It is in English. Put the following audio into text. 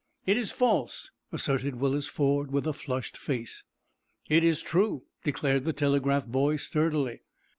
"It is false!" asserted Willis Ford, with a flushed face. "It is true!" declared the telegraph boy, sturdily.